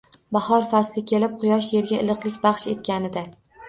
Bahor fasli kelib, quyosh yerga iliqlik baxsh etganida